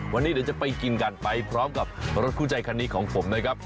วันนี้เดี๋ยวจะไปกินกันไปพร้อมกับรถคู่ใจคันนี้ของผมนะครับ